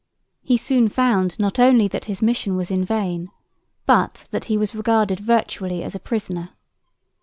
He soon found not only that his mission was in vain, but that he was regarded virtually as a prisoner.